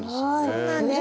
そうなんです。